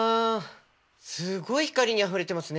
すごい光にあふれてますね。